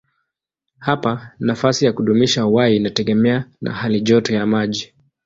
Hapa nafasi ya kudumisha uhai inategemea na halijoto ya maji.